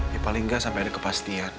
ya paling gak sampe ada kepastian